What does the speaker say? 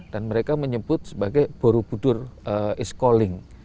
dan mereka menyebut sebagai buru budur is calling